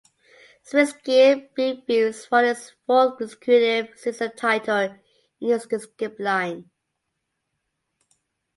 Swiss skier Beat Feuz won his fourth consecutive season title in this discipline.